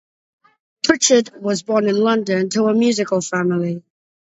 Pritchard was born in London, to a musical family.